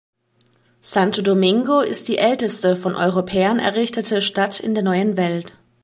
Santo Domingo ist die älteste von Europäern errichtete Stadt in der Neuen Welt.